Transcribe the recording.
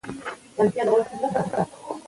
د ناروغیو په اړه نورو ته مشوره ورکوي.